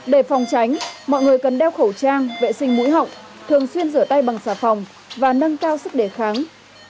để phòng tránh mọi người cần đeo khẩu trang vệ sinh mũi họng thường xuyên rửa tay bằng xà phòng và nâng cao sức đề kháng